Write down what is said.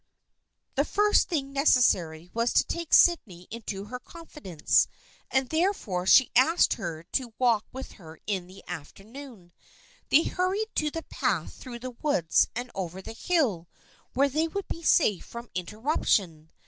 The first thing necessary was to take Sydney into her confidence, and therefore she asked her to walk with her in the afternoon. They hurried to the path through the woods and over the hill where they would be safe from interruption.